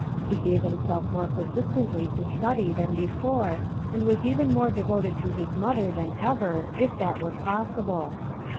He gave himself more persist ently to study than before, and was even more devoted to his mother than ever, if that were possible.